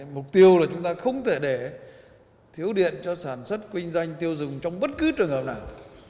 mục tiêu là chúng ta không thể để thiếu điện cho sản xuất kinh doanh tiêu dùng trong bất cứ trường hợp nào